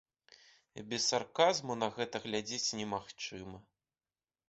Без сарказму на гэта глядзець немагчыма.